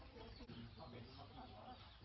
สันทอร่นเทียมให้ด้วย